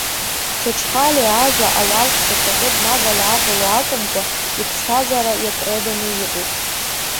Чачхалиа ажәа ауалԥшьа аҵакы днавала-аавало акәымкәа, иԥсҭазаара иакредоны иҟоуп.